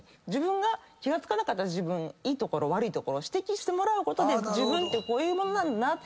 自分が気が付かなかった自分いいところ悪いところ指摘してもらうことで自分ってこういうものなんだな。